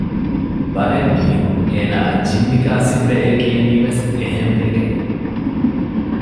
ބައެއް މީހުން އޭނާއަށް ޖިންނި ކާސިމްބެއޭ ކިޔަނީވެސް އެހެންވެގެން